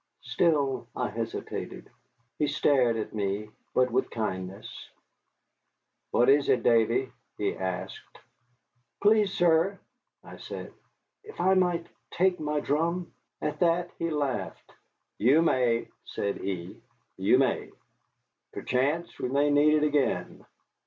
Still I hesitated. He stared at me, but with kindness. "What is it, Davy?" he asked. "Please, sir," I said, "if I might take my drum?" At that he laughed. "You may," said he, "you may. Perchance we may need it again."